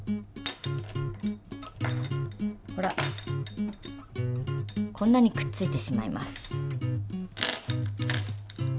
ほらこんなにくっついてしまいます。